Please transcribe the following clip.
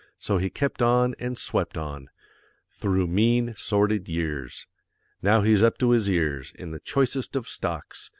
So he kept on and swept on Through mean, sordid years. Now he's up to his ears In the choicest of stocks.